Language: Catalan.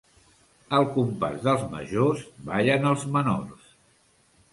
Al compàs dels majors, ballen els menors.